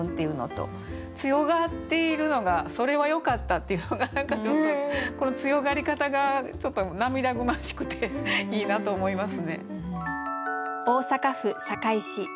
強がっているのが「それはよかった」っていうのが何かちょっとこの強がり方がちょっと涙ぐましくていいなと思いますね。